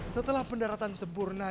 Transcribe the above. setelah pendaratan sempurna